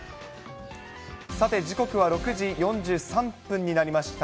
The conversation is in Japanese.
さて時刻は６時４３分になりました。